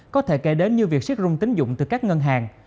có thể kể đến như việc siết rung tính dụng từ các ngân hàng